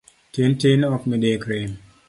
Tin tin ok midekre.